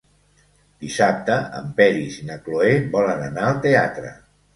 Dissabte en Peris i na Cloè volen anar al teatre.